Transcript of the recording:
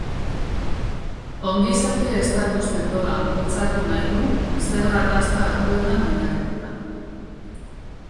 Ongizate-estatu sendoa bultzatu nahi du, zerga tasa altuetan oinarrituta.